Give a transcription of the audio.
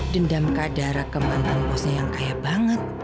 dendam kak dara ke mantan bosnya yang kaya banget